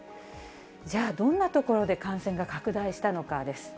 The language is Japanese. じゃあどんな所で感染が拡大したのかです。